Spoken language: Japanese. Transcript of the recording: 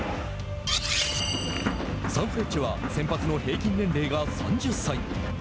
サンフレッチェは先発の平均年齢が３０歳。